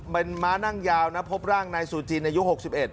เป็นม้านั่งยาวนะพบร่างในสู่จีนในยุค๖๑